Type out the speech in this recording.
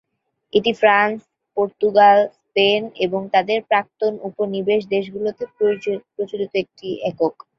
এটি France, Portugal, Spain এবং তাদের প্রাক্তন উপনিবেশ দেশগুলোতে প্রচলিত একটি একক।